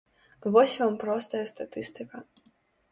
Вось вам простая статыстыка.